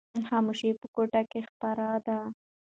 خاموشي په کوټه کې خپره ده.